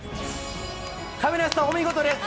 亀梨さん、お見事です。